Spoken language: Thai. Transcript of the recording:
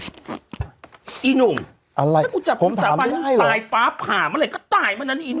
อะไรผมถามไม่ได้หรออเจมส์ถ้ากูจับคุณสาวตัวนั้นตายป๊าผ่าเมื่อไหร่ก็ตายมานั้นอีนู